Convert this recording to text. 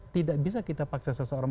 tidak bisa kita paksa seseorang